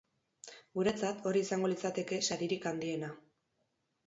Guretzat, hori izango litzateke saririk handiena.